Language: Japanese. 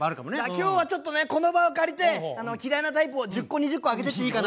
今日はちょっとねこの場を借りて嫌いなタイプを１０個２０個挙げてっていいかな？